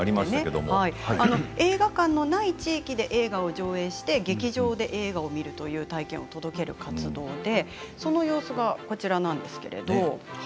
映画館のない地域で映画を上映して劇場で映画を見るという体験を届ける活動でその様子が写真にあります。